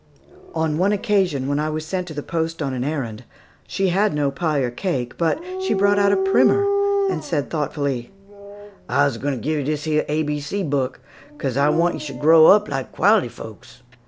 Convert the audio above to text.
On one occasion, when I was sent to the post on an errand, she had no pie or cake; but she brought out a primer and said thoughtfully, "I's g'wine ter give yo dis A B C book, 'cos I want yo should grow up like quality folks."